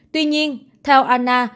tuy nhiên theo ana